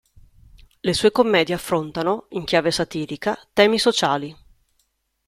Le sue commedie affrontano, in chiave satirica, temi sociali.